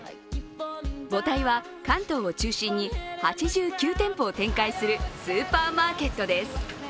母体は関東を中心に８９店舗を展開するスーパーマーケットです。